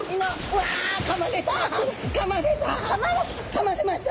かまれました！